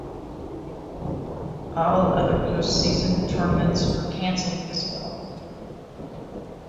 All other postseason tournaments were canceled as well.